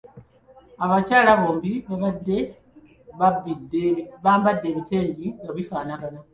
Abakyala bombi baabadde bambadde ebitengi nga bifaanagana.